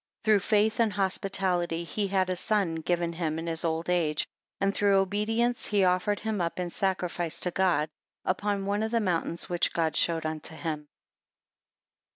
12 Through faith and hospitality he had a son given him in his old age; and through obedience he offered him up in sacrifice to God, upon one of the mountains which God showed into him.